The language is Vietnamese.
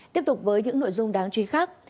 tiếp tục với những nội dung đáng truy khác